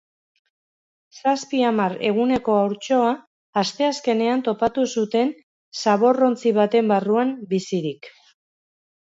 Zazpi-hamar eguneko haurtxoa asteazkenean topatu zuten, zaborrontzi baten barruan, bizirik.